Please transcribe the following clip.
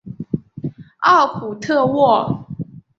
奥普特沃。